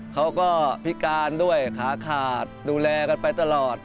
เขาก็พิการด้วยขาขาดดูแลกันไปตลอด